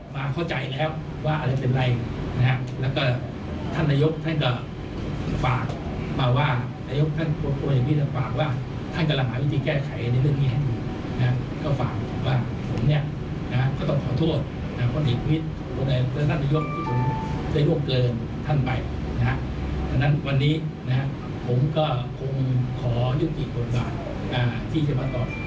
มาต่อใครที่จะมาเป็นแก่งกันในเรื่องนี้นะครับ